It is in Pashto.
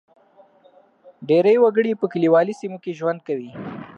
ډېری وګړي په کلیوالي سیمو کې ژوند کوي.